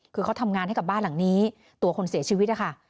คือเขาทำงานให้กับบ้านหลังนี้ตัวคนเสียชีวิตนะคะ